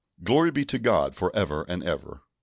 Glory be to God for ever and ever!